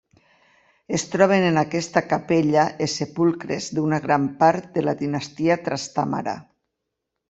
Es troben en aquesta capella els sepulcres d'una gran part de la dinastia Trastàmara.